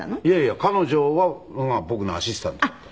いやいや彼女が僕のアシスタントだった。